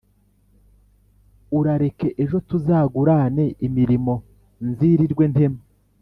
urareke ejo tuzagurane imirimo, nzirirwe ntema,